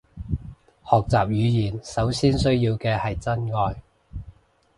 學習語言首先需要嘅係真愛